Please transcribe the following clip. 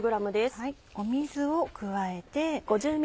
水を加えて。